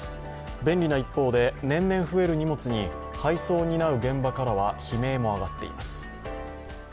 便利な一方で、年々増える荷物に配送を担う現場からは悲鳴も上がっています。